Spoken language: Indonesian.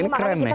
ini keren nih